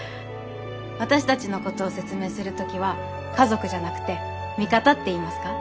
私たちのことを説明する時は「家族」じゃなくて「味方」って言いますか。